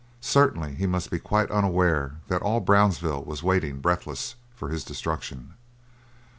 Certainly he must be quite unaware that all Brownsville was waiting, breathless, for his destruction.